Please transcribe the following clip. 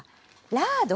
ラード。